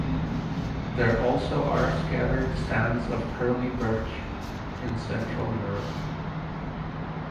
There also are scattered stands of curly birch in Central Europe.